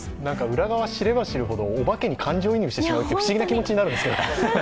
裏側を知れば知るほどお化けに感情移入してしまう、不思議な気持ちになりますね。